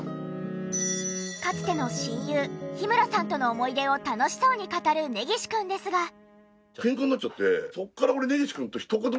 かつての親友日村さんとの思い出を楽しそうに語る根岸くんですが。